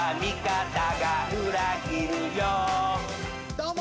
どうも。